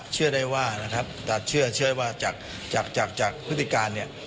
เชื่อได้ว่านะครับแต่เชื่อว่าจากจากพฤติการเนี่ย